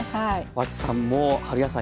脇さんも春野菜